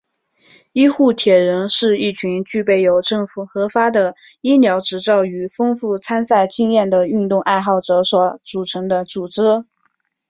医护铁人是一群具备有政府核发的医疗执照与丰富参赛经验的运动爱好者所组成的组织。